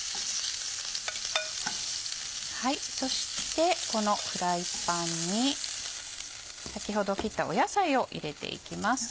そしてこのフライパンに先ほど切った野菜を入れていきます。